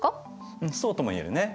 うんそうとも言えるね。